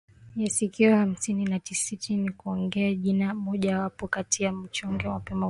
ya sikio hamsini na tisasitini Kungoa jino mojawapo kati ya machonge mapema utotoni